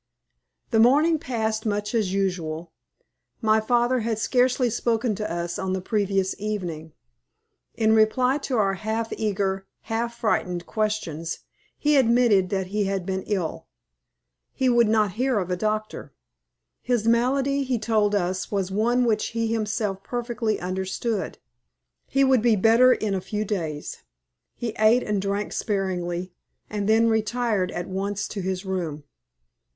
The morning passed much as usual. My father had scarcely spoken to us on the previous evening. In reply to our half eager, half frightened questions, he admitted that he had been ill. He would not hear of a doctor. His malady, he told us, was one which he himself perfectly understood. He would be better in a few days. He ate and drank sparingly, and then retired at once to his room.